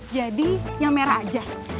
jadi yang merah aja